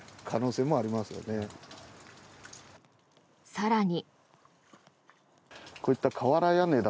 更に。